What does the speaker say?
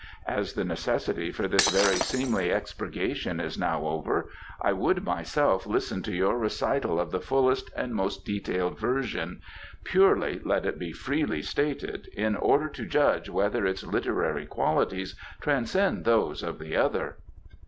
As the necessity for this very seemly expurgation is now over, I would myself listen to your recital of the fullest and most detailed version purely, let it be freely stated, in order to judge whether its literary qualities transcend those of the other."